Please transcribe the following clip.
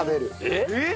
えっ！？